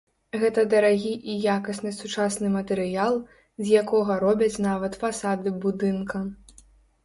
Гэта дарагі і якасны сучасны матэрыял, з якога робяць нават фасады будынка.